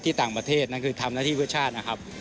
ต่างประเทศนั่นคือทำหน้าที่เพื่อชาตินะครับ